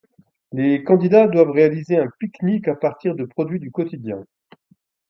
Les candidats doivent réaliser un pique-nique à partir de produits du quotidien.